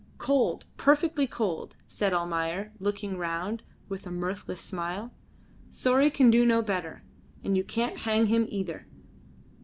"Cold, perfectly cold," said Almayer, looking round with a mirthless smile. "Sorry can do no better. And you can't hang him, either.